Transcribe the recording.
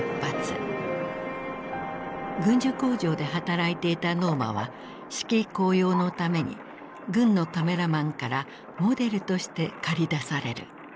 軍需工場で働いていたノーマは士気高揚のために軍のカメラマンからモデルとして駆り出される。